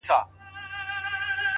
ته زموږ زړونه را سپين غوندي کړه!